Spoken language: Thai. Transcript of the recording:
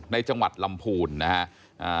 ในจังหวัดลำพูนนะครับ